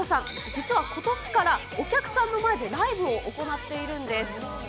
実はことしからお客さんの前でライブを行っているんです。